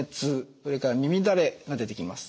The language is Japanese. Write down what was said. それから耳だれが出てきます。